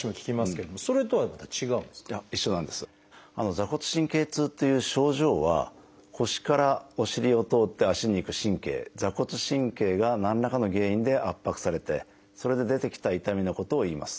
座骨神経痛っていう症状は腰からお尻を通って足に行く神経座骨神経が何らかの原因で圧迫されてそれで出てきた痛みのことをいいます。